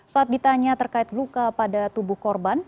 saat ditanya terkait luka pada tubuh korban